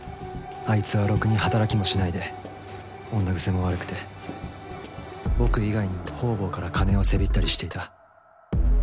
あいつはろくに働きもしないで女癖も悪くて僕以外にも方々から金をせびったりしていた。